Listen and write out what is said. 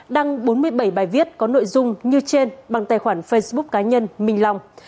đăng bốn mươi bảy bài viết có nội dung như trên bằng tài khoản facebook cá nhân minh long